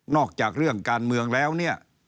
อกจากเรื่องการเมืองแล้วเนี่ย